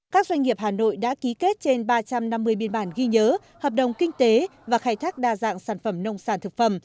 các doanh nghiệp hà nội đã ký kết trên ba trăm năm mươi biên bản ghi nhớ hợp đồng kinh tế và khai thác đa dạng sản phẩm nông sản thực phẩm